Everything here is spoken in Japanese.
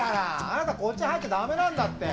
あなたこっち入っちゃ駄目なんだって！